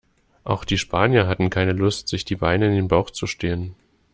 Auch die Spanier hatten keine Lust, sich die Beine in den Bauch zu stehen.